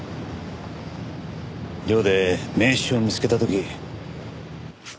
寮で名刺を見つけた時。